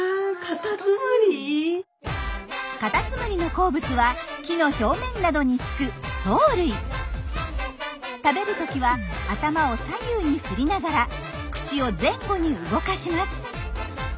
カタツムリの好物は木の表面などにつく食べる時は頭を左右に振りながら口を前後に動かします。